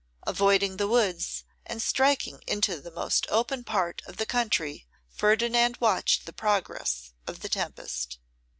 Avoiding the woods, and striking into the most open part of the country, Ferdinand watched the progress of the tempest.